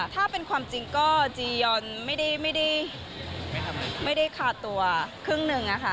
ถ้าเป็นความจริงก็จียอนไม่ได้คาตัวครึ่งหนึ่งอะค่ะ